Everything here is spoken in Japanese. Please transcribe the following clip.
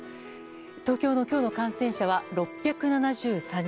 東京の今日の感染者は６７３人。